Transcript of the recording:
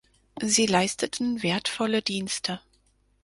Sie leisteten wertvolle Dienste.